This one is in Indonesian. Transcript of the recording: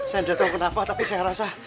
saya tidak tahu kenapa tapi saya rasa